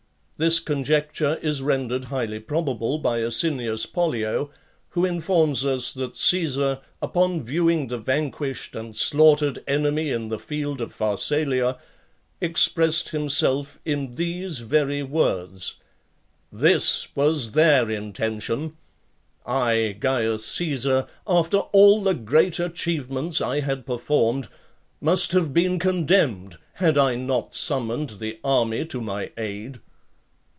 This conjecture is rendered highly probable by Asinius Pollio, who informs us that Caesar, upon viewing the vanquished and slaughtered enemy in the field of Pharsalia, expressed himself in these very words: "This was their intention: I, Caius Caesar, after all the great achievements I had performed, must have been condemned, had I not summoned the army to my aid!"